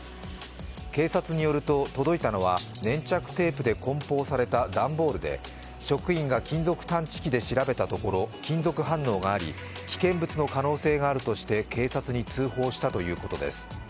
警察によると届いたのは粘着テープでこん包された段ボールで職員が金属探知機で調べたところ金属反応があり危険物の可能性があるとして警察に通報したということです。